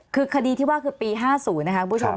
คือคดีที่ว่าคือปี๕๐นะคะคุณผู้ชม